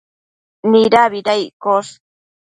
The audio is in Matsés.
Nidabida iccosh?